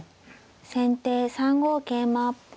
先手３五桂馬。